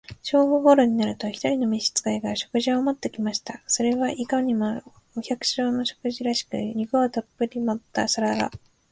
正午頃になると、一人の召使が、食事を持って来ました。それはいかにも、お百姓の食事らしく、肉をたっぶり盛った皿が、